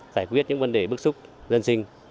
giải quyết những vấn đề bước xúc dân sinh